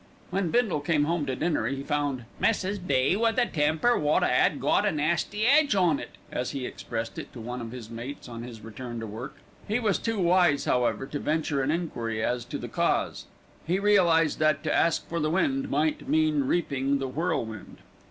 When Bindle came home to dinner, he found "Mrs. B. with a temper wot 'ad got a nasty edge on it," as he expressed it to one of his mates on his return to work. He was too wise, however, to venture an enquiry as to the cause. He realised that to ask for the wind might mean reaping the whirlwind.